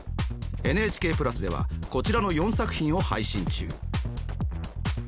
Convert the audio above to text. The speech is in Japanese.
ＮＨＫプラスではこちらの４作品を配信中。